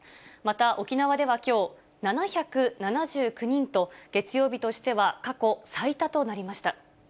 また、沖縄ではきょう、７７９人と、月曜日としては過去最多となりました。